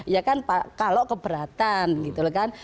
ya kan pak kalau keberatan gitu loh kan